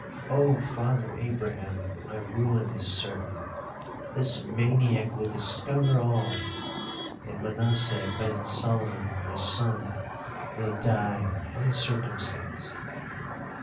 'Oh, Father Abraham, my ruin is certain, this maniac will discover all, and Manasseh ben Solomon, my son, will die uncircumcised.'